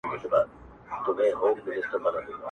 • کليوال ژوند نور هم ګډوډ او بې باورې کيږي,